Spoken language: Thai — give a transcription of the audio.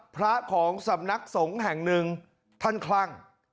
พระของสำนักสงฆ์แห่งหนึ่งท่านคลั่ง